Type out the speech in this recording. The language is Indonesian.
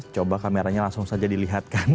coba kameranya langsung saja dilihatkan